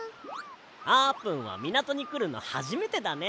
あーぷんはみなとにくるのはじめてだね。